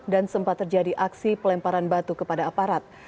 dan sempat terjadi aksi pelemparan batu kepada aparat